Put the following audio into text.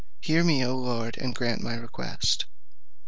Hear me, O Lord, and grant my request."